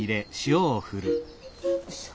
よいしょ。